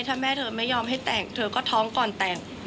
ถ้าแม่เธอไม่ยอมให้แต่งเธอก็ท้องก่อนแต่ง